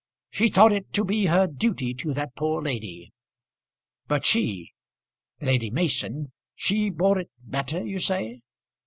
She thought it to be her duty to that poor lady. But she Lady Mason she bore it better, you say?"